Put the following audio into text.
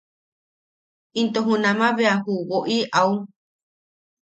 Into junama bea ju wo’i au.